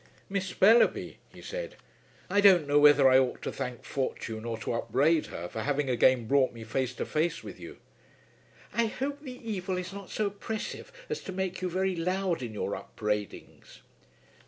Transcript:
"Miss Mellerby," he said, "I don't know whether I ought to thank Fortune or to upbraid her for having again brought me face to face with you." "I hope the evil is not so oppressive as to make you very loud in your upbraidings."